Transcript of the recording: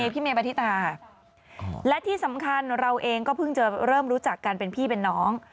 พี่เมปฏิตาและที่สำคัญเราเองก็เพิ่งจะเริ่มรู้จักกันเป็นพี่เป็นน้อง